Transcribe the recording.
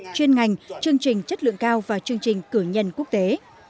chuyên ngành chương trình chất lượng cao và chương trình cử nhân quốc tế